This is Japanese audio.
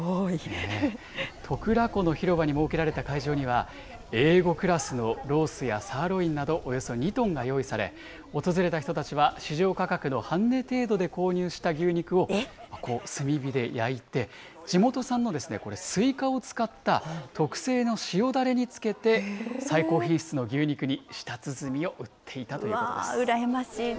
徳良湖の広場に設けられた会場には、Ａ５クラスのロースやサーロインなどおよそ２トンが用意され、訪れた人たちは、市場価格の半値程度で購入した牛肉を、炭火で焼いて、地元産のスイカを使った特製の塩だれにつけて最高品質の牛肉に舌つづみを打っていたということです。